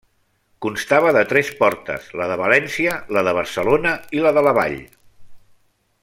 Constava de tres portes, la de València, la de Barcelona i la de la Vall.